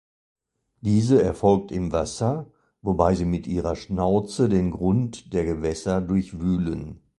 Diese erfolgt im Wasser, wobei sie mit ihrer Schnauze den Grund der Gewässer durchwühlen.